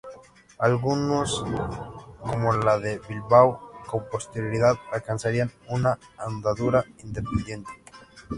Algunas, como la de Bilbao, con posterioridad alcanzarían una andadura independiente.